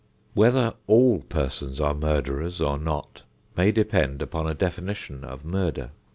Whether all persons are murderers or not may depend upon a definition of murder.